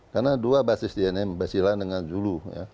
karena dua basis dna basila dengan julu